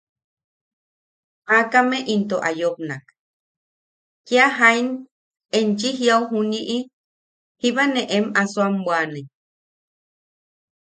Aakame into a yopnak: –Kia jain enchi jiaʼu juniʼi, jiba ne em asoam bwaʼane.